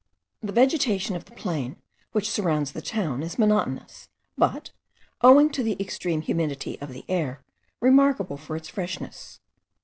The vegetation of the plain which surrounds the town is monotonous, but, owing to the extreme humidity of the air, remarkable for its freshness.